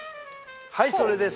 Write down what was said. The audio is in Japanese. はいそれです。